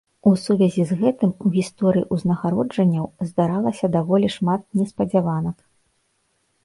У сувязі з гэтым у гісторыі узнагароджанняў здаралася даволі шмат неспадзяванак.